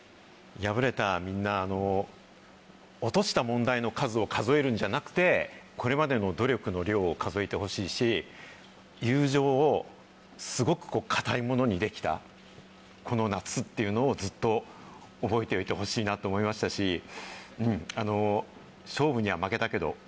敗れたみんな落とした問題の数を数えるんじゃなくてこれまでの努力の量を数えてほしいし友情をすごく固いものにできたこの夏っていうのをずっと覚えておいてほしいなと思いましたし。と思います。